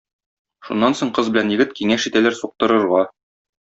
Шуннан соң кыз белән егет киңәш итәләр суктырырга.